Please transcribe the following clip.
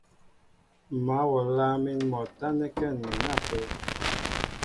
M̀ mǎl wɔ a lâŋ mín mɔ a tánɛ́kɛ́ ǹnɛn ápə́.